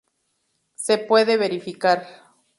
Se puede verificar.